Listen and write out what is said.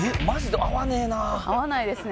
えっ合わないですね